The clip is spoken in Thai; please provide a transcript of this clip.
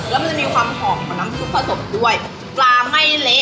แล้วมันจะมีความหอมของน้ำซุปผสมด้วย